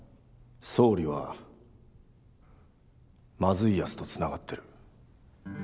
総理はまずいやつとつながってる。